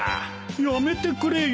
やめてくれよ。